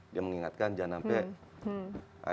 dia mengingatkan jangan sampai